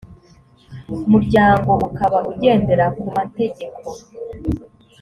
muryango ukaba ugendera ku mategeko